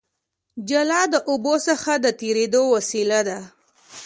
جاله د اوبو څخه د تېرېدو وسیله ده